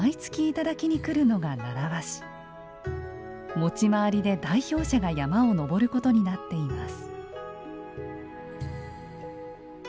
持ち回りで代表者が山を登ることになっています。